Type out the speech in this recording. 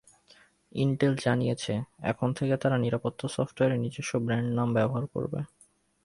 Intel জানিয়েছে, এখন থেকে তারা নিরাপত্তা সফটওয়্যারে নিজস্ব ব্র্যান্ড নাম ব্যবহার করবে।